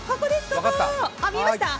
見えました？